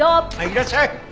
いらっしゃい。